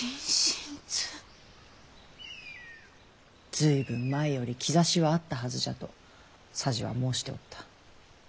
随分前より兆しはあったはずじゃと匙は申しておった。